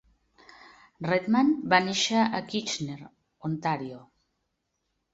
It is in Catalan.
Redman va néixer a Kitchener, Ontario.